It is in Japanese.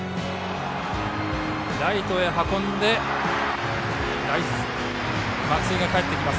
ライトへ運んで松井がかえってきます。